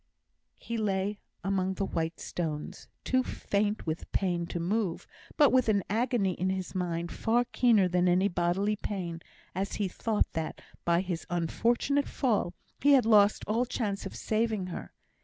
He lay among the white stones, too faint with pain to move, but with an agony in his mind far keener than any bodily pain, as he thought that by his unfortunate fall he had lost all chance of saving her.